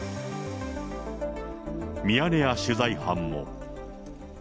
ミヤネ屋取材班も。